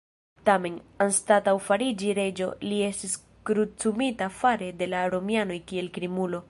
Tamen, anstataŭ fariĝi reĝo, li estis krucumita fare de la romianoj kiel krimulo.